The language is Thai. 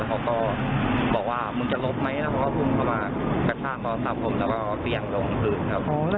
แล้วเขาก็พุ่งเข้ามากระทั่งโทรศัพท์ผมแล้วก็เปลี่ยงลงพื้นครับ